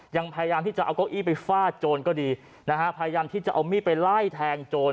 ยังพยายามที่จะเอาเก้าอี้ไปฟาดโจรก็ดีนะฮะพยายามที่จะเอามีดไปไล่แทงโจร